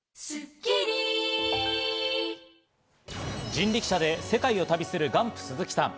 人力車で世界を旅するガンプ鈴木さん。